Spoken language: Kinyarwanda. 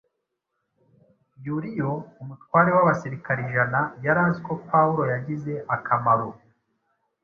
Yuliyo, umutware w’abasirikare ijana, yari azi ko Pawulo yagize akamaro